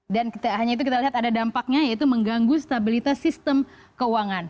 dan hanya itu kita lihat ada dampaknya yaitu mengganggu stabilitas sistem keuangan